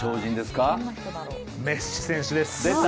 メッシ選手です。